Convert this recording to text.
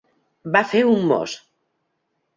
Va fer un mos.